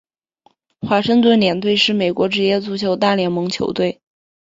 华盛顿联队是美国职业足球大联盟球队。